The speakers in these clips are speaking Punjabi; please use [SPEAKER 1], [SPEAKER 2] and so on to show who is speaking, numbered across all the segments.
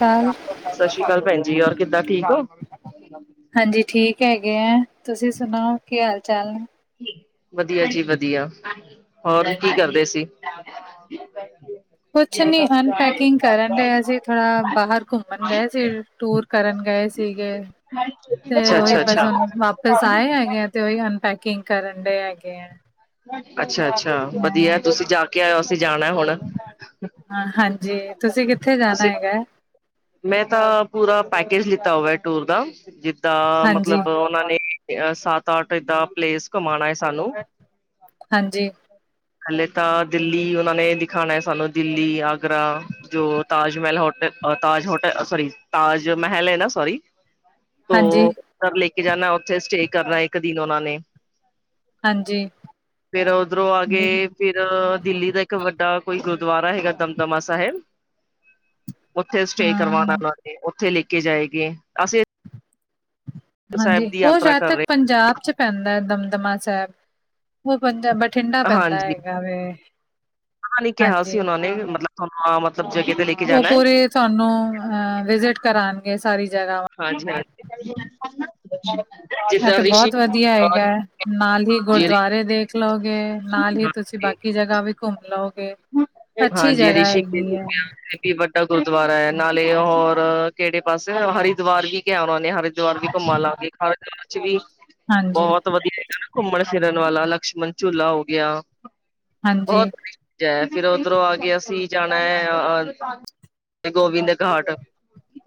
[SPEAKER 1] ਸਾਲ [unintelligible]
[SPEAKER 2] ਸਤਿ ਸ੍ਰੀ ਅਕਾਲ ਭੈਣ ਜੀ ਔਰ ਕਿੱਦਾਂ ਠੀਕ ਹੋ। ੀ [inaudible]
[SPEAKER 1] ਹਾਂਜੀ ਠੀਕ ਹੈਗੇ ਹੈ। ਤੁਸੀਂ ਸੁਣਾਓ ਕੀ ਹਾਲ ਚਾਲ ਨੇ?
[SPEAKER 2] ਵਧੀਆ ਜੀ ਵਧੀਆ ਹੋਰ ਕੀ ਕਰਦੇ ਸੀ। [inaudible]
[SPEAKER 1] ਕੁਛ ਨੀ ਅਨਪੈਕਿੰਗ ਕਰਨ ਰਿਹਾ ਸੀ ਥੋੜਾ ਬਾਹਰ ਘੁੰਮਣ ਗਏ ਸੀ ਟੂਰ ਕਰਨ ਗਏ ਸੀਗੇ ਤੇ
[SPEAKER 2] ਅੱਛਾ
[SPEAKER 1] ਉਹੀ
[SPEAKER 2] ਅੱਛਾ
[SPEAKER 1] ਬਸ
[SPEAKER 2] ਅੱਛਾ।
[SPEAKER 1] ਹੁਣ ਵਾਪਿਸ ਆਏ ਹੈਗੇ ਈ ਅਨ ਪੈਕਿੰਗ ਕਰਨ ਡੇ ਹੈਗੇ
[SPEAKER 2] ਅੱਛਾ-ਅੱਛਾ ਵਧੀਆ
[SPEAKER 1] ਹਾਂ
[SPEAKER 2] ਤੁਸੀਂ ਜ ਕਇ ਜਾਣਾ ਹੁਣ
[SPEAKER 1] ਹਾਂ, ਹਾਂਜੀ ਤੁਸੀਂ ਕਿੱਥੇ ਜਾਣਾ ਹੈਗਾ ਹੈ?
[SPEAKER 2] ਮੈਂ ਤਾਂ ਪੂਰਾ ਪੈਕੇਜ ਲਿੱਤਾ ਹੋਵੇ ਟੂਰ ਦਾ ਜਿੱਦਾਂ
[SPEAKER 1] ਹਾਂਜੀ
[SPEAKER 2] ਮਤਲਬ ਉਹਨਾਂ ਨੇ ਸੱਤ ਅੱਠ ਪਲੇਸ ਹੈ ਸਾਨੂੰ
[SPEAKER 1] ਹਾਂਜੀ
[SPEAKER 2] ਹਲੇ ਤਾਂ ਦਿੱਲੀ ਉਹਨਾਂ ਨੇ ਦਿਖਾਉਣਾ ਹੈ ਸਾਨੂੰ ਦਿੱਲੀ, ਆਗਰਾ ਜੋ ਤਾਜ ਮਹਿਲ ਹੋਟ ਤਾਜ ਹੋਟਲ ਸੋਰੀ ਤਾਜ ਮਹਿਲ ਹੈ ਨਾ ਸੋਰੀ
[SPEAKER 1] ਹਾਂਜੀ
[SPEAKER 2] ਤੋ ਘਰ ਲੈ ਕੇ ਜਾਣਾ ਉੱਥੇ ਸਟੇ ਕਰਨਾ ਇੱਕ ਦਿਨ ਉਹਨਾਂ ਨੇ।
[SPEAKER 1] ਹਾਂਜੀ
[SPEAKER 2] ਫਿਰ ਉਧਰੋਂ ਆ
[SPEAKER 1] ਹਾਂਜੀ
[SPEAKER 2] ਫਿਰ ਦਿੱਲੀ ਦਾ ਇੱਕ ਵੱਡਾ ਕੋਈ ਗੁਰਦੁਆਰਾ ਹੈਗਾ ਦਮਦਮਾ ਸਾਹਿਬ- ਉੱਥੇ ਸਟੇ
[SPEAKER 1] ਹਾਂ
[SPEAKER 2] ਕਰਵਾਣਾ ਉਹਨਾਂ ਨੇ ਉੱਥੇ ਲੈ ਕੇ ਜਾਏਗੇ ਅਸੀਂ
[SPEAKER 1] ਹਾਂਜੀ
[SPEAKER 2] ਸਾਹਿਬ ਦੀ
[SPEAKER 1] ਉਹ
[SPEAKER 2] ਯਾਤਰਾ
[SPEAKER 1] ਜਦ
[SPEAKER 2] ਕਰ
[SPEAKER 1] ਤੱਕ
[SPEAKER 2] ਰਹੇ
[SPEAKER 1] ਪੰਜਾਬ 'ਚ ਪੈਂਦਾ ਹੈ ਦਮਦਮਾ ਸਾਹਿਬ। ਉਹ ਪੈਂਦਾ ਬਠਿੰਡਾ ਪੈਂਦਾ ਹੈਗਾ ਵੇ।
[SPEAKER 2] ਨਾਲ ਈ ਕਿਹਾ
[SPEAKER 1] ਹਾਂਜੀ
[SPEAKER 2] ਸੀ ਉਹਨਾਂ ਨੇ ਵੀ ਮਤਲਬ ਤੁਹਾਨੂੰ ਆਹ ਮਤ
[SPEAKER 1] ਉਹ ਪੂਰੀ ਤੁਹਾਨੂੰ ਅ ਵਿਜਿਟ ਕਰਾਣਗੇ ਸਾਰੀ ਜਗ੍ਹਾਵਾਂ
[SPEAKER 2] ਹਾਂਜੀ-ਹਾਂਜੀ ਅੱਛਾ।
[SPEAKER 1] ਇਹ ਤੇ ਬਹੁਤ ਵਧੀਆ ਹੈਗਾ, ਨਾਲ ਈ ਗੁਰਦੁਆਰੇ ਦੇ ਦੇਖ ਲਓਗੇ ਨਾਲ ਹੀ ਤੁਸੀਂ ਬਾਕੀ ਜਗ੍ਹਾ ਵੀ ਘੁੰਮ ਲਓਗੇ। ਅੱਛੀ
[SPEAKER 2] ਹਾਂਜੀ
[SPEAKER 1] ਜਗ੍ਹਾ
[SPEAKER 2] ਰਿਸ਼ੀਕੇਸ
[SPEAKER 1] ਹੈਗੀ ਹੈ
[SPEAKER 2] [unintelligible] ਵੀ ਵੱਡਾ ਗੁਰਦੁਆਰਾ ਏ ਨਾਲੇ ਹੋਰ ਕਿਹੜੇ ਪਾਸੇ ਹਰੀ ਦਵਾਰ ਵੀ ਕਿਹਾ ਉਹਨਾਂ ਨੇ ਹਰੀ ਦੁਆਰ ਵੀ ਘੁੰਮਣ ਲਾਗੇ ਖਰ ਦੇ ਵਿੱਚ ਵੀ, ਬਹੁਤ
[SPEAKER 1] ਹਾਂਜੀ
[SPEAKER 2] ਬਹੁਤ ਵਧੀਆ ਹੈਗਾ ਨਾ ਘੁੰਮਣ ਫਿਰਨ ਵਾਲਾ ਲਕਸ਼ਮਣ ਝੂਲਾ ਹੋ ਗਿਆ।
[SPEAKER 1] ਹਾਂਜੀ
[SPEAKER 2] ਬਹੁਤ ਜੈ ਫਿਰ ਓਧਰੋਂ ਆ ਕੇ ਅਸੀਂ ਜਾਣਾ ਏ, ਗੋਬਿੰਦ ਘਾਟ।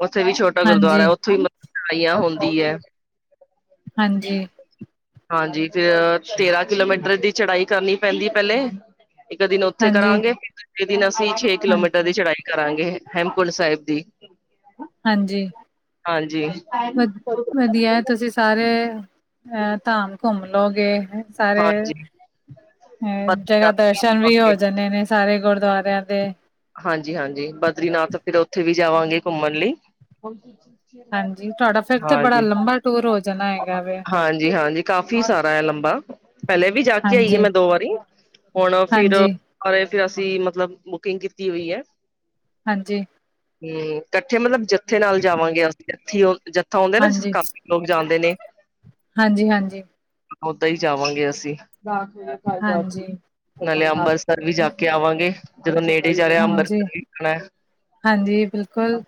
[SPEAKER 2] ਉੱਥੇ ਵੀ ਛੋਟਾ
[SPEAKER 1] ਹਾਂਜੀ
[SPEAKER 2] ਗੁਰਦੁਆਰਾ ਉੱਥੇ ਛਾਈਆਂ ਹੁੰਦੀ ਏ।
[SPEAKER 1] ਹਾਂਜੀ।
[SPEAKER 2] ਹਾਂਜੀ ਫਿਰ ਤੇਰਾਂ ਕਿਲੋਮੀਟਰ ਦੀ ਚੜਾਈ ਕਰਨੀ ਪੈਂਦੀ ਪਹਿਲੇ, ਇੱਕ ਦਿਨ ਉੱਥੇ
[SPEAKER 1] ਹਾਂਜੀ
[SPEAKER 2] ਕਰਾਂਗੇ। ਇੱਕ ਦਿਨ ਅਸੀਂ ਛੇ
[SPEAKER 1] ਹਾਂ
[SPEAKER 2] ਕਿਲੋਮੀਟਰ ਦੀ ਚੜਾਈ ਕਰਾਂਗੇ ਹੇਮਕੁੰਡ ਸਾਹਿਬ ਦੀ।
[SPEAKER 1] ਹਾਂਜੀ।
[SPEAKER 2] ਹਾਂਜੀ।
[SPEAKER 1] ਵਧੀਆ, ਤੁਸੀਂ ਸਾਰੇ ਐ ਧਾਮ ਘੁੰਮ ਲਉਗੇ ਸਾਰੇ
[SPEAKER 2] ਹਾਂਜੀ
[SPEAKER 1] ਹੂੰ ਜਗ੍ਹਾਂ
[SPEAKER 2] ਬਦਰੀਨਾਥ
[SPEAKER 1] ਦਰਸ਼ਨ ਵੀ
[SPEAKER 2] ਜਾਵਾਂਗੇ।
[SPEAKER 1] ਹੋ ਜਾਂਦੇ ਨੇ ਸਾਰੇ ਗੁਰਦੁਆਰਿਆਂ ਦੇ।
[SPEAKER 2] ਹਾਂਜੀ-ਹਾਂਜੀ ਬਦਰੀਨਾਥ ਫਿਰ ਉੱਥੇ ਵੀ ਜਾਵਾਂਗੇ ਘੁੰਮਣ ਲਈ।
[SPEAKER 1] ਹਾਂਜੀ ਤੁਹਾਡਾ ਫਿਰ ਤੇ ਬੜਾ
[SPEAKER 2] ਹਾਂਜੀ,
[SPEAKER 1] ਲੰਬਾ ਟੂਰ ਹੋ ਜਾਣਾ ਹੈਗਾ ਵੇ
[SPEAKER 2] ਹਾਂਜੀ-ਹਾਂਜੀ ਕਾਫੀ ਸਾਰਾ ਐ ਲੰਬਾ। ਪਹਿਲੇ ਵੀ ਜਾ ਕੇ ਆਈ ਏ
[SPEAKER 1] ਹਾਂਜੀ,
[SPEAKER 2] ਮੈਂ ਦੋ ਵਾਰੀ, ਹੁਣ
[SPEAKER 1] ਹਾਂਜੀ,
[SPEAKER 2] ਫਿਰ ਫਿਰ ਅਸੀਂ ਮਤਲਬ ਬੁਕਿੰਗ ਕੀਤੀ ਹੋਈ ਐ।
[SPEAKER 1] ਹਾਂਜੀ।
[SPEAKER 2] ਹੂੰ ਇਕੱਠੇ ਮਤਲਬ ਜੱਥੇ ਨਾਲ ਜਾਵਾਂਗੇ ਅਸੀਂ ਜੱਥੀ ਜੱਥਾ ਆਉਂਦਾ ਨਾ ਜਿਸ ਕੰਮ ਲੋਕ ਜਾਂਦੇ ਨੇ।
[SPEAKER 1] ਹਾਂਜੀ-ਹਾਂਜੀ।
[SPEAKER 2] ਓਦਾਂ ਹੀ ਜਾਵਾਂਗੇ ਅਸੀਂ।
[SPEAKER 1] ਹਾਂਜੀ।
[SPEAKER 2] ਨਾਲੇ ਅੰਬਰਸਰ ਵੀ ਜਾ ਕੇ ਆਵਾਂਗੇ, ਜਦੋਂ ਨੇੜੇ ਜਾ ਰਿਹਾ
[SPEAKER 1] ਹਾਂਜੀ,
[SPEAKER 2] ਅੰਬਰਸਰ ਵੀ ਜਾਣਾ
[SPEAKER 1] ਹਾਂਜੀ ਬਿਲਕੁਲ,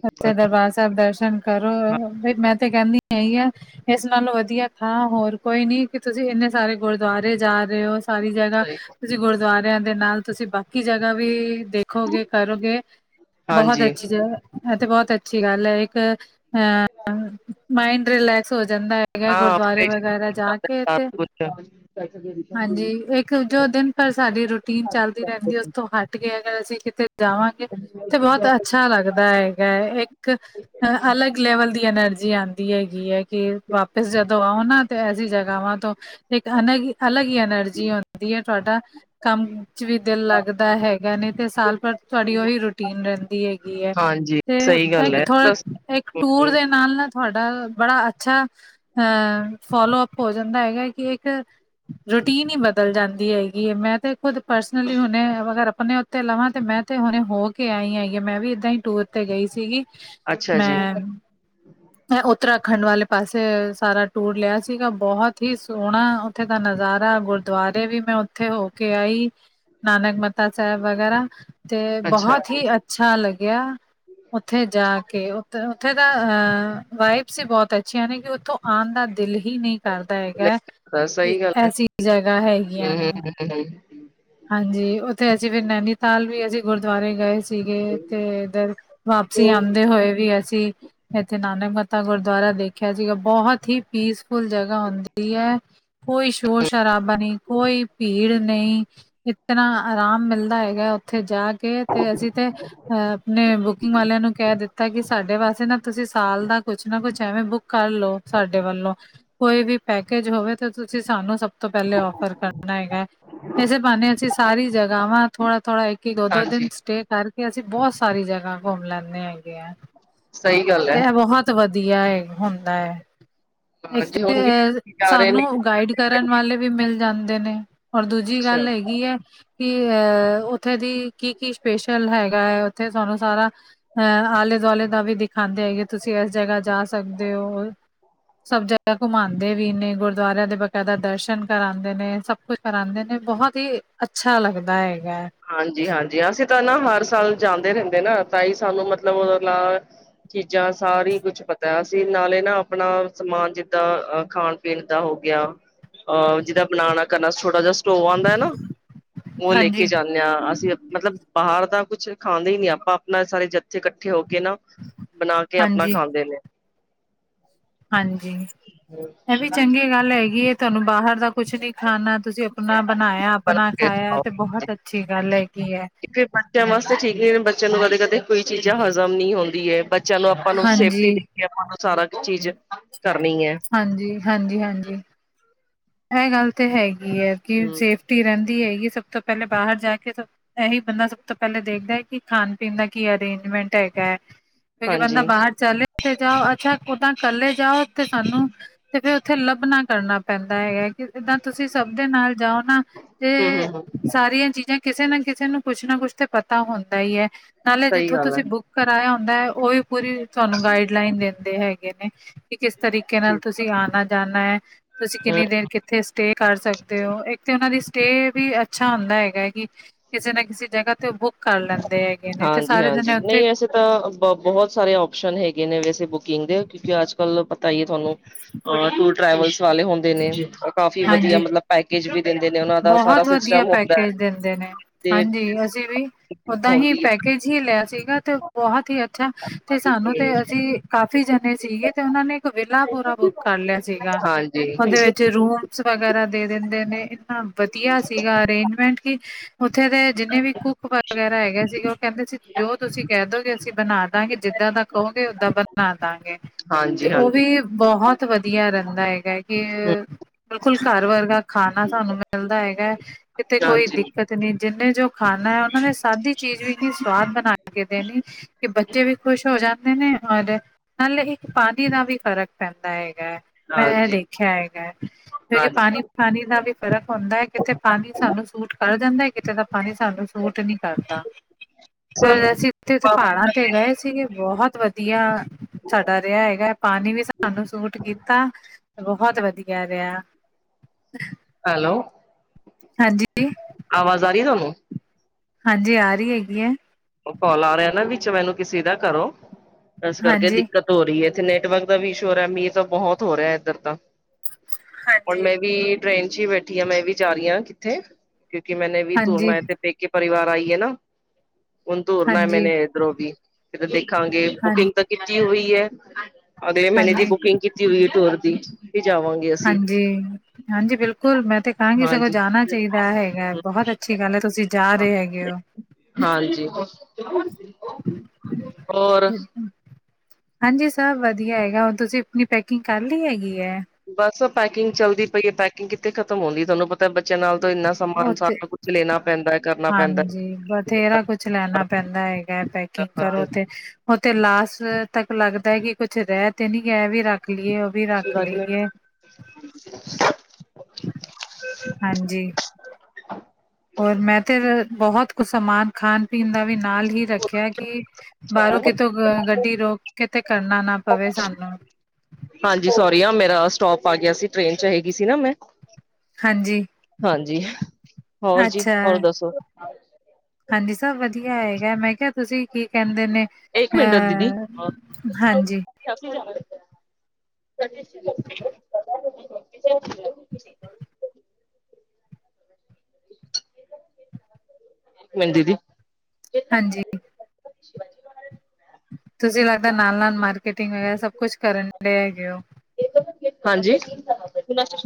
[SPEAKER 2] ਹੈ
[SPEAKER 1] ਅੱਛੇ ਦਰਬਾਰ ਸਾਹਿਬ ਦਰਸ਼ਨ ਕਰੋ ਮੈਂ ਤੇ ਕਹਿੰਦੀ ਇਹੀ ਆ ਇਸ ਨਾਲੋਂ ਵਧੀਆ ਥਾਂ ਹੋਰ ਕੋਈ ਨੀ ਕਿ ਤੁਸੀਂ ਇੰਨੇ ਸਾਰੇ ਗੁਰਦੁਆਰੇ ਜਾ ਰਹੇ ਹੋ ਸਾਰੀ ਜਗ੍ਹਾਂ ਜਿੱਦਾਂ ਤੁਸੀਂ ਗੁਰਦੁਆਰਿਆਂ ਦੇ ਨਾਲ ਤੁਸੀਂ ਬਾਕੀ ਜਗ੍ਹਾ ਵੀ ਦੇਖੋਗੇ ਕਰੋਗੇ ਬਹੁਤ
[SPEAKER 2] ਹਾਂਜੀ
[SPEAKER 1] ਅੱਛੀ ਜਗ੍ਹਾ। ਐ ਤੇ ਬਹੁਤ ਅੱਛੀ ਗੱਲ ਏ ਇੱਕ, ਅ ਮਾਇੰਡ ਰਿਲੈਕਸ ਹੋ ਜਾਂਦਾ। ਹੈਗਾ ਗੁਰਦੁਆਰੇ ਵਗੈਰਾ ਜਾ ਕੇ ਇੱਥੇ
[SPEAKER 2] ਕਿਆ ਸਪੈਸਗਰੀ।
[SPEAKER 1] ਹਾਂਜੀ ਇੱਕ ਜੋ ਦਿਨ ਪਰ ਸਾਡੀ ਰੂਟੀਨ ਚੱਲਦੀ ਰਹਿੰਦੀ ਉਸ ਤੋਂ ਹਟ ਕੇ ਅਗਰ ਅਸੀਂ ਕਿਤੇ ਜਾਵਾਂਗੇ ਤੇ ਬਹੁਤ ਅੱਛਾ ਲੱਗਦਾ ਹੈਗਾ ਹੈ। ਇੱਕ ਅਲੱਗ ਲੈਵਲ ਦੀ ਐਨਰਜੀ ਆਂਦੀ ਹੈਗੀ ਹੈ ਕਿ ਵਾਪਿਸ ਜਦੋਂ ਆਓ ਨਾ ਐਸੀ ਜਗ੍ਹਾਵਾਂ ਤੋਂ ਇੱਕ ਅਲੱਗ ਅਲੱਗ ਹੀ ਐਨਰਜੀ ਹੁੰਦੀ ਏ। ਤੁਹਾਡਾ ਕੰਮ 'ਚ ਵੀ ਦਿਲ ਲੱਗਦਾ ਹੈਗਾ, ਨਹੀਂ ਤੇ ਸਾਲ ਭਰ ਤੁਹਾਡੀ ਉਹੀ ਰੂਟੀਨ ਰਹਿੰਦੀ ਹੈਗੀ ਐ।
[SPEAKER 2] ਹਾਂਜੀ
[SPEAKER 1] ਤੇ
[SPEAKER 2] ਸਹੀ ਗੱਲ
[SPEAKER 1] ਇੱਕ
[SPEAKER 2] ਹੈ
[SPEAKER 1] ਖ
[SPEAKER 2] ਬਸ
[SPEAKER 1] ਇੱਕ ਟੂਰ ਦੇ ਨਾਲ ਨਾਲ ਤੁਹਾਡਾ ਬੜਾ ਅੱਛਾ ਅਹ ਫੋਲੋਅਪ ਹੋ ਜਾਂਦਾ ਹੈਗਾ, ਕਿ ਇੱਕ ਰੁਟੀਨ ਈ ਬਦਲ ਜਾਂਦੀ ਹੈਗੀ ਹੈ। ਮੈਂ ਤੇ ਖੁਦ ਪਰਸਨਲੀ ਹੁਣੇ ਅਗਰ ਆਪਨੇ ਤੇ ਲਵਾਂ ਤੇ ਮੈਂ ਤੇ ਹੁਣੇ ਹੋ ਕੇ ਆਈ ਐਗੀ ਆ, ਮੈਂ ਵੀ ਇੱਦਾਂ ਹੀ ਟੂਰ ਤੇ ਗਈ ਸੀਗੀ।
[SPEAKER 2] ਅੱਛਾ
[SPEAKER 1] ਮੈ
[SPEAKER 2] ਜੀ
[SPEAKER 1] ਮੈਂ ਉੱਤਰਾਖੰਡ ਵਾਲੇ ਪਾਸੇ ਸਾਰਾ ਟੂਰ ਲਿਆ ਸੀਗਾ, ਬਹੁਤ ਹੀ ਸੋਹਣਾ ਦਾ ਨਜ਼ਾਰਾ ਗੁਰਦੁਆਰੇ ਦੇ ਵੀ ਮੈਂ ਉੱਥੇ ਹੋ ਕੇ ਆਈ ਨਾਨਕ ਮਤਾ ਸਾਹਿਬ ਵਗੈਰਾ। ਤੇ
[SPEAKER 2] ਅੱਛਾ
[SPEAKER 1] ਬਹੁਤ ਹੀ ਅੱਛਾ ਲੱਗਿਆ, ਉੱਥੇ ਜਾ ਕੇ। ਉੱਥੇ ਦਾ ਅਹ ਵਾਈਬਜ਼ ਹੀ ਬਹੁਤ ਅੱਛੀਆਂ ਨੇ ਕਿ ਉੱਥੋਂ ਆਣ ਦਾ ਦਿਲ ਹੀ ਨਹੀਂ ਕਰਦਾ
[SPEAKER 2] ਨਹੀਂ
[SPEAKER 1] ਹੈਗਾ,
[SPEAKER 2] ਪਤਾ,
[SPEAKER 1] ਕਿ
[SPEAKER 2] ਸਹੀ ਗੱਲ ਹੈ
[SPEAKER 1] ਐਸੀ ਜਗ੍ਹਾ
[SPEAKER 2] ਹੂੰ
[SPEAKER 1] ਹੈਗੀਆਂ
[SPEAKER 2] ਹੂੰ
[SPEAKER 1] ਨੇ।
[SPEAKER 2] ਹੂੰ ਹੂੰ
[SPEAKER 1] ਹਾਂਜੀ, ਉੱਥੇ ਅਸੀਂ ਫਿਰ ਨੈਨੀਤਾਲ ਵੀ ਅਸੀਂ ਗੁਰਦੁਆਰੇ ਗਏ ਸੀ। ਸੀਗੇ ਤੇ ਇਧਰ ਵਾਪਸੀ ਆਂਦੇ ਹੋਏ ਵੀ ਅਸੀਂ ਇੱਥੇ ਨਾਨਕ ਮੱਥਾ ਗੁਰਦੁਆਰਾ ਦੇਖਿਆ ਸੀਗਾ, ਬਹੁਤ ਹੀ ਪੀਸ ਫੁਲ ਜਗ੍ਹਾ ਹੁੰਦੀ ਹੈ। ਕੋਈ ਸ਼ੋਰ ਸ਼ਰਾਬਾ ਨਹੀਂ, ਕੋਈ ਭੀੜ ਨਹੀਂ। ਇੱਤਨਾ ਆਰਾਮ ਮਿਲਦਾ ਹੈਗਾ ਉੱਥੇ ਜਾ ਕੇ ਤੇ ਅਸੀਂ ਤੇ ਅ ਆਪਣੇ ਬੁਕਿੰਗ ਵਾਲਿਆਂ ਨੂੰ ਕਹਿ ਦਿੱਤਾ ਤਾਂ ਕਿ ਸਾਡੇ ਵਾਸਤੇ ਨਾ ਤੁਸੀਂ ਸਾਲ ਦਾ ਕੁਛ ਨਾ ਕੁਛ ਐਵੇਂ ਬੁੱਕ ਕਰ ਲਓ ਸਾਡੇ ਵੱਲੋਂ। ਕੋਈ ਵੀ ਪੈਕੇਜ ਹੋਵੇ ਤੇ ਤੁਸੀਂ ਸਾਨੂੰ ਸਭ ਤੋਂ ਪਹਿਲੇ ਔਫਰ ਕਰਨਾ ਹੈਗਾ। ਇਸ ਬਹਾਨੇ ਅਸੀਂ ਸਾਰੀ ਜਗ੍ਹਾਵਾਂ ਥੋੜਾ-ਥੋੜਾ ਇੱਕ-ਇੱਕ, ਦੋ-ਦੋ
[SPEAKER 2] ਹਾਂਜੀ
[SPEAKER 1] ਦਿਨ ਸਟੇਅ ਕਰਕੇ ਕੇ ਅਸੀਂ ਬਹੁਤ ਸਾਰੀ ਜਗ੍ਹਾ ਘੁੰਮ ਲੈਂਨੇ ਹੈਗੇ ਆ।
[SPEAKER 2] ਸਹੀ ਗੱਲ ਹੈ
[SPEAKER 1] ਤੇ ਇਹ ਬਹੁਤ ਵਧੀਆ ਐ ਹੁੰਦਾ ਹੈ। ਇਕ
[SPEAKER 2] ਹਾਂਜੀ
[SPEAKER 1] ਤੇ
[SPEAKER 2] ਹੁਣ ਵੀ ਜਾ ਰਹੇ ਨੇ
[SPEAKER 1] ਸਾਨੂੰ ਗਾਈਡ ਕਰਨ ਵਾਲੇ ਵੀ ਮਿਲ ਜਾਂਦੇ ਨੇ। ਔਰ ਦੂਜੀ
[SPEAKER 2] ਅੱਛਾ
[SPEAKER 1] ਗੱਲ ਹੈਗੀ ਹੈ ਕਿ ਅਹ ਉੱਥੇ ਦੀ ਕੀ-ਕੀ ਸਪੇਸ਼ਲ ਹੈਗਾ ਹੈ, ਉੱਥੇ ਸਾਨੂੰ ਸਾਰਾ ਆ ਆਲੇ-ਦੁਆਲੇ ਦਾ ਵੀ ਦਿਖਾਂਦੇ ਐਗੇ, ਕਿ ਤੁਸੀਂ ਇਸ ਜਗ੍ਹਾ ਜਾ ਸਕਦੇ ਹੋ। ਸਭ ਜਗਾ ਘੁਮਾਂਦੇ ਵੀ ਨੇ, ਗੁਰਦੁਆਰੇ ਦੇ ਬਕਾਇਦਾ ਦਰਸ਼ਨ ਕਰਉਂਦੇ ਨੇ। ਸਭ ਕੁਛ ਕਰਾਉਂਦੇ ਨੇ, ਬਹੁਤ ਹੀ ਅੱਛਾ ਲੱਗਦਾ ਹੈਗਾ ਹੈ।
[SPEAKER 2] ਹਾਂਜੀ-ਹਾਂਜੀ, ਅਸੀਂ ਤਾਂ ਨਾ ਹਰ ਸਾਲ ਜਾਂਦੇ ਰਹਿੰਦੇ ਨਾ ਤਾਂ ਹੀ ਸਾਨੂੰ ਮਤਲਬ ਉਹ ਨ ਚੀਜ਼ਾਂ ਸਾਰੀ ਕੁਛ ਪਤਾ, ਅਸੀ ਨਾਲੇ ਨਾ ਆਪਣਾ ਸਮਾਨ ਜਿੱਦਾਂ ਖਾਣ ਪਿੰਡ ਦਾ ਹੋ ਗਿਆ, ਅਹ ਜਿਹਦਾ ਬਣਾਣਾ ਕਰਨਾ ਛੋਟਾ ਜਾ ਚੋ ਆਂਦੈ ਨਾ, ਉਹ ਲੇ
[SPEAKER 1] ਹਾਂਜੀ,
[SPEAKER 2] ਜਾਂਨੇ ਹਾਂ, ਅਸੀਂ ਮਤਲਬ ਬਾਹਰ ਦਾ ਕੁੱਛ ਖਾਦੈ ਹੀ ਨੀ ਆਪਾਂ, ਆਪਣਾ ਸਾਰੇ ਜੱਥੇ ਇਕੱਠੇ ਹੋ ਕੇ ਨਾ ਬਣਾ ਕੇ ਆਪਣਾ
[SPEAKER 1] ਹਾਂਜੀ,
[SPEAKER 2] ਖਾਂਦੇ ਨੇ।
[SPEAKER 1] ਹਾਂਜੀ, ਇਹ ਵੀ ਚੰਗੀ ਗੱਲ ਹੈਗੀ ਹੈ ਤੁਹਾਨੂੰ ਬਾਹਰ ਦਾ ਕੁਛ ਨੀ ਖਾਣਾ। ਤੁਸੀਂ ਆਪਣਾ ਬਣਾਇਆ,
[SPEAKER 2] ਬਣਾ
[SPEAKER 1] ਆਪਣਾ
[SPEAKER 2] ਕੇ
[SPEAKER 1] ਖਾਇਆ
[SPEAKER 2] ਖਿਲਾਓ।
[SPEAKER 1] ਤੇ ਬਹੁਤ ਅੱਛੀ ਗੱਲ ਹੈਗੀ ਹੈ।
[SPEAKER 2] ਕਿਉਂਕਿ ਬੱਚਿਆਂ ਵਾਸਤੇ ਠੀਕ ਨਹੀਂ ਬੱਚਿਆਂ ਨੂੰ ਕਦੇ ਕਦੇ ਕੋਈ ਚੀਜ਼ ਹਜ਼ਮ ਨਹੀ ਹੁੰਦੀ ਹੈ। ਬੱਚਿਆਂ ਨੂੰ ਆਪਾਂ ਨੂੰ ਸੇਫਟੀ
[SPEAKER 1] ਹਾਂਜੀ,
[SPEAKER 2] ਦੇਖ ਕੇ ਆਪਾਂ ਨੂੰ ਸਾਰਾ ਕੁ ਚੀਜ਼ ਕਰਨੀ ਐਂ।
[SPEAKER 1] ਹਾਂਜੀ, ਹਾਂਜੀ-ਹਾਂਜੀ ਇਹ ਗੱਲ ਤਾਂ ਹੈਗੀ ਐਂ, ਕਿ
[SPEAKER 2] ਹੂੰ
[SPEAKER 1] ਸੇਫਟੀ ਰਹਿੰਦੀ ਹੈਗੀ ਸਭ ਤੋਂ ਪਹਿਲਾ ਬਾਹਰ ਜਾ ਕੇ ਸ ਇਹੀ ਬੰਦਾ ਸਭ ਤੋਂ ਪਹਿਲਾਂ ਦੇਖਦਾ ਏ ਕਿ ਖਾਣ-ਪੀਣ ਦਾ ਕੀ ਅਰੇਂਜਮੈਂਟ ਹੈਗਾ ਐ‌। ਕਿਉਂਕਿ
[SPEAKER 2] ਹਾਂਜੀ
[SPEAKER 1] ਬੰਦਾ ਬਾਹਰ ਚਲੇ ਤੇ ਜਾਓ। ਅੱਛਾ, ਓਦਾਂ ਕੱਲੇ ਜਾਓ ਤੇ ਸਾਨੂੰ ਤੇ ਫਿਰ ਉੱਥੇ ਲੱਭਣਾ ਕਰਨਾ ਪੈਂਦਾ ਹੈਗਾ ਕਿ ਏਦਾਂ ਤੁਸੀਂ ਸਭ ਦੇ ਨਾਲ ਜਾਉ ਨਾ ਤੇ
[SPEAKER 2] ਹੂੰ-ਹੂੰ-ਹੂੰ
[SPEAKER 1] ਸਾਰੀਆਂ ਚੀਜ਼ਾਂ ਕਿਸੇ ਨਾ ਕਿਸੇ ਨੂੰ ਕੁਛ ਨਾ ਕੁਛ ਤੇ ਪਤਾ ਹੁੰਦਾ ਈ ਐ, ਨਾਲੇ
[SPEAKER 2] ਸਹੀ
[SPEAKER 1] ਜਿੱਥੋਂ
[SPEAKER 2] ਗੱਲ ਹੈ।
[SPEAKER 1] ਤੁਸੀਂ ਬੁੱਕ ਕਰਾਇਆ ਹੁੰਦਾ ਐ, ਉਹ ਵੀ ਪੂਰੀ ਤੁਹਾਨੂੰ ਗਾਈਡ ਲਾਈਨ ਦਿੰਦੇ ਹੈਗੇ ਨੇ ਕਿ ਕਿਸ ਤਰੀਕੇ ਤਰੀਕੇ ਨਾਲ ਤੁਸੀਂ ਆਣਾ ਜਾਣਾ ਐ।
[SPEAKER 2] ਹੂੰ
[SPEAKER 1] ਕਿੰਨੀ ਦੇਰ ਕਿੱਥੇ ਸਟੇ ਕਰ ਸਕਦੇ ਓ, ਇੱਕ ਤੇ ਉਹਨਾਂ ਦੀ ਸਟੇ ਵੀ ਅੱਛਾ ਹੁੰਦਾ ਹੈਗਾ ਕੀ ਕਿਸੇ ਨਾ ਕਿਸੇ ਜਗ੍ਹਾ ਤੇ ਬੁੱਕ ਕਰ ਲੈਂਦੇ ਹੈਗੇ ਨੇ ਤੇ ਸਾਰੇ ਜਣੇ
[SPEAKER 2] ਹਾਂਜੀ-ਹਾਂਜੀ
[SPEAKER 1] ਉੱਥੇ
[SPEAKER 2] ਨਹੀਂ ਵੈਸੇ ਤਾਂ ਬਹੁਤ ਸਾਰੇ ਓਪਸ਼ਨ ਹੈਗੇ ਨੇ ਵੈਸੇ ਬੁਕਿੰਗ ਦੇ ਕਿਉਂਕਿ ਅੱਜ-ਕਲ ਪਤਾ ਈ ਐ ਤੁਹਾਨੂੰ ਅ ਟੂਰ ਟਰੈਵਲਸ ਵਾਲੇ ਹੁੰ ਦੇ ਨੇ ਕਾਫੀ ਵਧੀਆ
[SPEAKER 1] ਹਾਂਜੀ
[SPEAKER 2] ਮਤਲਬ ਪੈਕੇਜ ਵੀ ਦਿੰਦੇ ਨੇ, ਉਹਨਾ ਦਾ ਸਾਰਾ
[SPEAKER 1] ਬਹੁਤ ਵਧੀਆ
[SPEAKER 2] ਸਿਸਟਮ ਹੁੰਦੈ।
[SPEAKER 1] ਪੈਕੇਜ ਦਿੰਦੇ ਨੇ ਹਾਂਜੀ, ਅਸੀਂ ਵੀ ਓਦਾਂ ਹੀ
[SPEAKER 2] ਹੈ
[SPEAKER 1] ਪੈਕੇਜ ਹੀ ਲਿਆ ਸੀਗਾ ਤੇ ਬਹੁਤ ਹੀ ਅੱਛਾ ਤੇ ਸਾਨੂੰ ਤੇ ਅਸੀਂ ਕਾਫੀ ਜਣੇ ਸੀਗੇ ਤੇ ਉਹਨਾਂ ਨੇ ਇੱਕ ਵਿਲਾ ਪੂਰਾ ਬੁ ਕਰ ਲਿਆ ਸੀਗਾ। ਉਹਦੇ ਵਿੱਚ
[SPEAKER 2] ਹਾਂਜੀ-ਹਾਂਜੀ-ਹਾਂਜੀ
[SPEAKER 1] ਰੂਮਸ ਵਗੈਰਾ ਦੇ ਦਿੰਦੇ ਨੇ, ਇੰਨਾ ਵਧੀਆ ਸੀਗਾ ਅਰੇਂਜਮੈਂਟ ਕਿ ਉੱਥੇ ਦੇ ਜਿੰਨੇ ਵੀ ਕੁੱਕ ਵਗੈਰਾ ਹੈਗੇ ਸੀਗੇ, ਉਹ ਕਹਿੰਦੇ ਸੀ ਜੋ ਤੁਸੀਂ ਕਹਿ ਦੋਗੇ ਅਸੀਂ ਬਣਾ ਦਾਂਗੇ ਜਿੱਦਾਂ ਦਾ ਕਹੋਗੇ, ਓਦਾਂ ਦਾ ਬਣਾ ਦਾਂਗੇ ਤੇ ਉਹ ਵੀ ਬਹੁਤ ਵਧੀਆ ਰਹਿੰਦਾ ਹੈਗਾ ਹੈ ਕਿ
[SPEAKER 2] ਹੂੰ
[SPEAKER 1] ਬਿਲਕੁਲ ਘਰ ਵਰਗਾ ਖਾਣਾ ਸਾਨੂੰ ਮਿਲਦਾ ਹੈਗੈ, ਕਿਤੇ ਕੋਈ
[SPEAKER 2] ਹਾਂਜੀ
[SPEAKER 1] ਦਿੱਕਤ ਨਈ ਜਿਹਨੇ ਜੋ ਖਾਣਾ ਹੈ ਉਹਨਾਂ ਨੇ ਸਾਦੀ ਚੀਜ਼ ਵੀ ਇੰਨੀ ਸਵਾਦ ਬਣਾ ਕੇ ਦੇਣੀ। ਕਿ ਬੱਚੇ ਵੀ ਖੁਸ਼ ਹੋ ਜਾਂਦੇ ਨੇ ਔਰ ਨਾਲੇ ਇੱਕ ਪਾਣੀ ਦਾ ਵੀ ਫ਼ਰਕ ਪੈਂਦਾ ਹੈਗਾ ਐ।
[SPEAKER 2] ਹਾਂਜੀ।
[SPEAKER 1] [unintelligible] ਕਿਉਂਕਿ ਪਾਣੀ
[SPEAKER 2] ਹਾਂਜੀ
[SPEAKER 1] ਪਾਣੀ ਦਾ ਵੀ ਫ਼ਰਕ ਹੁੰਦਾ ਐ, ਕਿਤੇ ਪਾਣੀ ਸਾਨੂੰ ਸੂਟ ਕਰ ਜਾਂਦੇ, ਕਿਤੇ ਦਾ ਪਾਣੀ ਸਾਨੂੰ ਸੂਟ ਨੀ ਕਰਦਾ,
[SPEAKER 2] ਸੋ
[SPEAKER 1] ਫਿਰ ਅਸੀਂ ਤੇ ਉਥੇ ਪਹਾੜਾਂ ਤੇ ਗਏ ਸੀਗੇ, ਬਹੁਤ ਵਧੀਆ ਸਾਡਾ ਰਿਹਾ ਹੈਗਾ। ਪਾਣੀ ਵੀ ਸਾਨੂੰ ਸੂਟ ਕੀਤਾ, ਬਹੁਤ ਵਧੀਆ ਰਿਹਾ।
[SPEAKER 2] ਹੈਲੋ।
[SPEAKER 1] ਹਾਂਜੀ
[SPEAKER 2] ਆਵਾਜ਼ ਆ ਰਹੀ ਹੈ ਥੋਨੂੰ?
[SPEAKER 1] ਹਾਂਜੀ ਆ ਰਹੀ ਹੈਗੀ ਐਂ।
[SPEAKER 2] ਉਹ ਕਾਲ ਆ ਰਿਹਾ ਨਾ ਵਿੱਚ ਮੈਨੂੰ ਕਿਸੇ ਦਾ ਘਰੋ, ਇਸ ਕਰਕੇ
[SPEAKER 1] ਹਾਂਜੀ
[SPEAKER 2] ਦਿੱਕਤ ਹੋ ਰਹੀ ਹੈ, ਇੱਥੇ ਨੈਟਵਰਕ ਦਾ ਵੀ ਇਸ਼ੂ ਹੋ ਰਿਹਾ। ਮੀਹ ਤਾਂ ਬਹੁਤ ਹੋ ਰਿਹਾ ਇੱਧਰ ਤਾਂ ਹੁਣ
[SPEAKER 1] ਹਾਂਜੀ
[SPEAKER 2] ਮੈਂ ਵੀ ਟ੍ਰੇਨ ਚ ਈ ਬੈਠੀ ਆ, ਮੈਂ ਵੀ ਜਾ ਰਹੀ ਹਾਂ ਕਿਥੇ ਕਿਉਂਕਿ ਮੈਨੇ ਵੀ
[SPEAKER 1] ਹਾਂਜੀ
[SPEAKER 2] ਤੁਰਨੈ, ਮੈਂ ਪੇਕੇ ਪਰਿਵਾਰ ਆਈ ਐ ਨਾ ਹੁਣ ਤੁਰਨੈ
[SPEAKER 1] ਹਾਂਜੀ
[SPEAKER 2] ਮੇਨੇ ਇਧਰੋ ਵੀ ਕਿਤੇ ਦੇਖਾਂਗੇ
[SPEAKER 1] ਹਾਂਜੀ
[SPEAKER 2] ਬੁਕਿੰਗ ਤਾਂ ਕੀਤੀ ਹੋਈ ਐ, ਅਗਲੇ ਮਹੀਨੇ ਦੀ
[SPEAKER 1] ਹਾਂਜੀ
[SPEAKER 2] ਬੁਕਿੰਗ ਕੀਤੀ ਹੋਈ ਐ ਟੂਰ ਦੀ, ਕੀ ਜਾਵਾਂਗੇ। ਅਸੀਂ
[SPEAKER 1] ਹਾਂਜੀ। ਹਾਂਜੀ। ਬਿਲਕੁਲ ਮੈਂ ਤੇ ਕਹਾਂਗੀ ਸਗੋਂ
[SPEAKER 2] ਹਾਂਜੀ।
[SPEAKER 1] ਜਾਣਾ ਚਾਹੀਦਾ ਹੈਗੈ, ਬਹੁਤ ਅੱਛੀ ਗੱਲ ਐ ਤੁਸੀਂ ਜਾ ਰਹੇ ਹੈਗੇ ਹੋ।
[SPEAKER 2] ਹਾਂਜੀ।
[SPEAKER 1] [unintelligible]
[SPEAKER 2] ਹੋਰ
[SPEAKER 1] ਹੂੰ-ਹੂੰ। ਹਾਂਜੀ ਸਭ ਵਧੀਆ ਹੈਗੈ, ਹੁਣ ਤੁਸੀਂ ਆਪਣੀ ਪੈਕਿੰਗ ਕਰ ਲਈ ਹੈਗੀ ਐਂ।
[SPEAKER 2] ਬਸ ਪੈਕਿੰਗ ਚੱਲਦੀ ਪਈ ਐ। ਪੈਕਿੰਗ ਕਿੱਥੇ ਖਤਮ ਹੁੰਦੀ ਐ, ਤੁਹਾਨੂੰ ਪਤਾ ਬੱਚਿਆਂ ਨਾਲ ਤੋਂ ਇੰਨਾ ਸਮਾਨ
[SPEAKER 1] ਓਥੇ,
[SPEAKER 2] ਸਾਰਾ ਕੁਛ ਲੈਣਾ ਪੈਂਦਾ ਕਰਨਾ ਪੈਂਦਾ
[SPEAKER 1] ਹਾਂਜੀ ਬਥੇਰਾ ਕੁਛ ਲੈਣਾ ਪੈਂਦਾ ਹੈਗਾ ਤੇ ਕੀ ਕਰੋ ਤੇ ਓ ਤੇ ਲਾਸਟ ਤੱਕ ਲੱਗਦਾ ਕਿ ਕੁਛ ਰੈ ਤੇ ਨੀ ਗੇਆ ਏਵੀ ਰੱਖ ਲਈ ਹੁਣ।
[SPEAKER 2] ਸ਼ ਬਾਜੀ [unintelligible]
[SPEAKER 1] ਹਾਂਜੀ ਹੋਰ ਮੈਂ ਤੇ ਬੋਹਤ ਕੁਛ ਸਮਾਨ ਖਾਣ ਪੀਣ ਦਾ ਵੀ ਨਾਲ ਹੀ ਰੱਖਿਆ ਕਿ ਬਾਹਰੋਂ ਕਿਤੋਂ ਗੱਡੀ ਰੋਕ ਕਿਤੇ ਕਰਨਾ ਨਾ ਪਵੇ ਸਾਨੂੰ
[SPEAKER 2] ਹਾਂਜੀ ਸੋਰੀ ਆ ਮੇਰਾ ਸਟੋਪ ਆ ਗੇਆ ਸੀ ਟ੍ਰੇਨ ਹੈਗੀ ਸੀ ਨਾ ਮੈਂ
[SPEAKER 1] ਹਾਂਜੀ,
[SPEAKER 2] ਹਾਂਜੀ ਹੋਰ ਜੀ
[SPEAKER 1] ਅੱਛਾ
[SPEAKER 2] ਹੋਰ ਦੱਸੋ?
[SPEAKER 1] ਹਾਂਜੀ ਸਭ ਵੱਧੀਆਂ ਹੈਗਾ ਮੈਂ ਕੇਆ ਤੁਸੀਂ ਕੀ ਕੇਂਦੇ ਨੇ
[SPEAKER 2] ਇੱਕ
[SPEAKER 1] ਅਹ-ਹਾਂਜੀ।
[SPEAKER 2] ਕਾਚ ਜਾਨੇ ਪਏ ਆ, ਟ੍ਰਾਂਜਿਟ ਲੱਗਣੀ ਸਾਡੀ ਤਾ। [inaudible] ਮੈਨ ਦੀਦੀ
[SPEAKER 1] ਹਾਂਜੀ। ਤੁਸੀਂ ਲੱਗਦਾ ਨਾਲ਼ -ਨਾਲ਼ ਮਾਰਕੀਟਿੰਗ ਵਗੈਰਾ ਸਭ ਕੁਛ ਕਰਨ ਦੇ ਹੈਗੇ ਹੋ
[SPEAKER 2] ਹਾਂਜੀ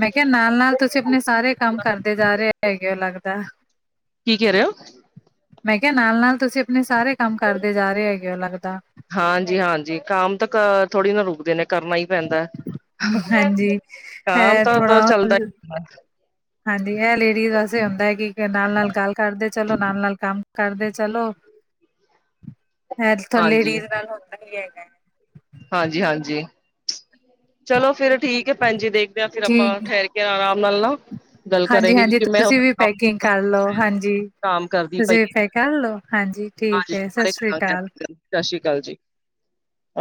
[SPEAKER 1] ਮੈਂ ਕੇਆ ਨਾਲ਼ -ਨਾਲ਼ ਤੁਸੀਂ ਆਪਣੇ ਸਾਰੇ ਕੰਮ ਕਰਦੇ ਜਾ ਰਏ ਹੈਗੇ ਓ ਲੱਗਦਾ
[SPEAKER 2] ਕੀ ਕੈ ਰਏ ਓ
[SPEAKER 1] ਮੈਂ ਕੇਆ ਨਾਲ਼-ਨਾਲ਼ ਤੁਸੀਂ ਆਪਣੇ ਸਾਰੇ ਕੰਮ ਕਰਦੇ ਜਾ ਰਏ ਹੈਗੇ ਓ ਲੱਗਦਾ
[SPEAKER 2] ਹਾਂਜੀ -ਹਾਂਜੀ ਕਾਮ ਤਾਂ ਕਾ ਥੋੜ੍ਹੀ ਨਾ ਰੁਕਦੇ ਨੇ ਕਰਨਾ ਈ ਪੈਂਦਾ।
[SPEAKER 1] ਹਾਂਜੀ
[SPEAKER 2] ਕੰਮ
[SPEAKER 1] ਅਹ
[SPEAKER 2] ਤਾਂ
[SPEAKER 1] ਥੋੜ੍ਹਾ
[SPEAKER 2] ਚੱਲਦਾ ਹੀ
[SPEAKER 1] ਹਾਂਜੀ ਏ ਲੇਡੀਜ਼ ਵਾਸਤੇ ਹੁੰਦਾ ਹੈ ਕਿ ਨਾਲ਼- ਨਾਲ਼ ਗੱਲ ਕਰਦੇ ਚਲੋ ਨਾਲ਼- ਨਾਲ਼ ਕੰਮ ਕਰਦੇ ਚਲੋ ਅੱਜ-ਕੱਲ੍ਹ
[SPEAKER 2] ਹਾਂਜੀ
[SPEAKER 1] ਲੇਡੀਜ਼ ਨਾਲ਼ ਹੁੰਦਾ ਹੀ ਹੈਗਾ
[SPEAKER 2] ਹਾਂਜੀ-ਹਾਂਜੀ। ਚਲੋ ਫ਼ਿਰ ਠੀਕ ਹੈ ਭੈਣ ਜ ਦੇਖਦੇ ਆ ਫ਼ਿਰ ਆਪਾਂ
[SPEAKER 1] ਠੀਕ
[SPEAKER 2] ਠਹਿਰ ਕੇ ਆਰਾਮ ਨਾਲ਼ ਨਾ, ਗੱਲ ਕਰਾਂਗੀ
[SPEAKER 1] ਹਾਂਜੀ-ਹਾਂਜੀ
[SPEAKER 2] ਕਿ ਮੈ
[SPEAKER 1] ਤੁਸੀਂ
[SPEAKER 2] ਹੁਣ
[SPEAKER 1] ਵੀ
[SPEAKER 2] ਕੰਮ
[SPEAKER 1] ਪੈਕਿੰਗ ਕਰ
[SPEAKER 2] ਕੰਪਨੀ ਚ
[SPEAKER 1] ਲਓ
[SPEAKER 2] ਕਰਾਗੀ।
[SPEAKER 1] ਹਾਂਜੀ।
[SPEAKER 2] ਕਾਮ ਕਰਦੀ ਪਈ
[SPEAKER 1] ਤੁਸੀਂ
[SPEAKER 2] ਐ,
[SPEAKER 1] ਪੈਕ ਕਰ ਲਓ ਹਾਂਜੀ ਠੀਕ
[SPEAKER 2] ਹਾਂਜੀ
[SPEAKER 1] ਹੈ ਸਤਿ
[SPEAKER 2] ਸਾਰੇ
[SPEAKER 1] ਸ੍ਰੀ
[SPEAKER 2] ਕਰਾਗੀ
[SPEAKER 1] ਅਕਾਲ
[SPEAKER 2] ਆਪਣੇ ਕੰਮ। ਸਾਸ਼ੀ ਕਾਲ ਜੀ,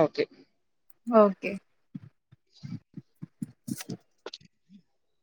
[SPEAKER 2] ਓਕੇ।
[SPEAKER 1] ਹੋਰ ਕੀ।
[SPEAKER 2] [inaudible]